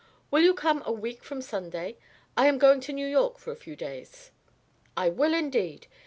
Will you come a week from Sunday? I am going to New York for a few days." "I will, indeed.